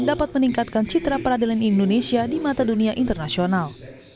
dapat meningkatkan citra peradilan indonesia di mata dunia internasional